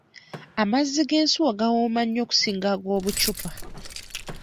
Amazzi g'ensuwa gawooma nnyo okusinga ag'obucupa.